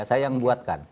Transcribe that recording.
saya yang membuatkan